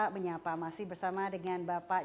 menyapa masih bersama dengan bapak